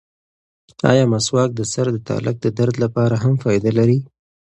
ایا مسواک د سر د تالک د درد لپاره هم فایده لري؟